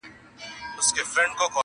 زما په شان سي څوک آواز پورته کولای!!